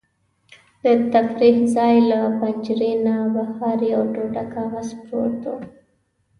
د تفریح ځای له پنجرې نه بهر یو ټوټه کاغذ پروت و.